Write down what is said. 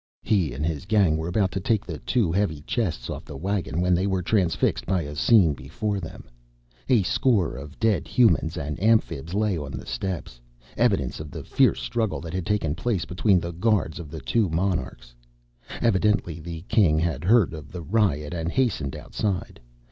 He and his gang were about to take the two heavy chests off the wagon when they were transfixed by a scene before them. A score of dead Humans and Amphibs lay on the steps, evidence of the fierce struggle that had taken place between the guards of the two monarchs. Evidently the King had heard of the riot and hastened outside.